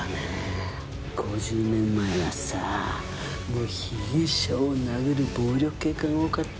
５０年前はさもう被疑者を殴る暴力警官多かった。